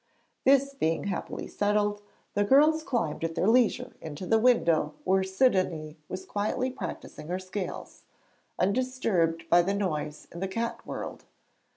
This being happily settled, the girls climbed at their leisure into the window where Sidonie was quietly practising her scales, undisturbed by the noise in the cat world.